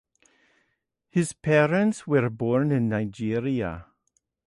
His parents were born in Nigeria.